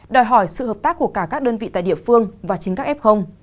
đòi hỏi sự hợp tác của cả các đơn vị tại địa phương và chính các f